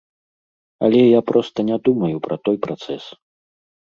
Але я проста не думаю пра той працэс.